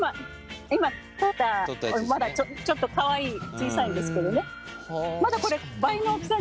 今とったまだちょっとかわいい小さいんですけどね。